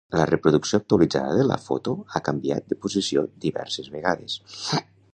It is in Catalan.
La reproducció actualitzada de la foto ha canviat de posició diverses vegades.